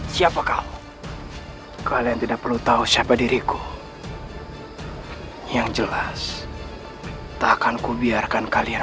siapa kau kalian tidak perlu tahu siapa diriku yang jelas takanku biarkan kalian